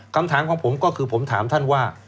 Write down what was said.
คำถามของผมก็คือผมถามท่านว่า